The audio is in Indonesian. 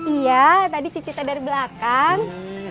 iya tadi cici tadi dari belakang